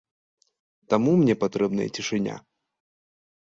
Таму мне патрэбная цішыня.